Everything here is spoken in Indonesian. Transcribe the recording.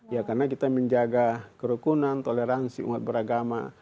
ya karena kita menjaga kerukunan toleransi umat beragama